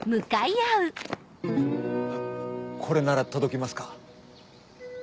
これなら届きますか？